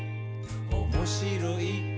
「おもしろい？